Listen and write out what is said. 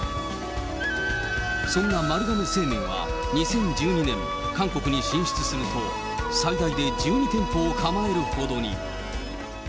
そんな丸亀製麺は、２０１２年、韓国に進出すると、最大で１２店舗を構えるほどに。